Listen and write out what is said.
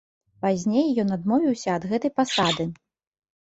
Пазней ён адмовіўся ад гэтай пасады.